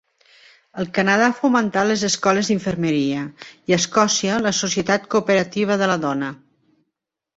Al Canadà fomentà les escoles d'infermeria i a Escòcia la Societat Cooperativa de la Dona.